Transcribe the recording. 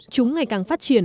chúng ngày càng phát triển